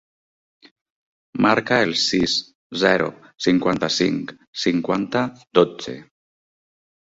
Marca el sis, zero, cinquanta-cinc, cinquanta, dotze.